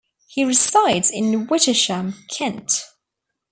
He resides in Wittersham, Kent.